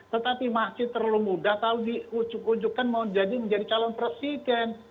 tetapi masih terlalu mudah kalau di ujuk ujukan mau jadi menjadi calon presiden